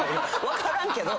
分からんけど。